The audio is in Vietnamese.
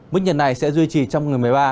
mức nhiệt này sẽ duy trì trong ngày một mươi ba